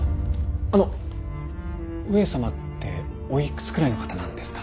あの上様っておいくつくらいの方なんですか？